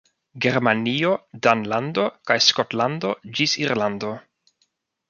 Germanio, Danlando kaj Skotlando, ĝis Irlando.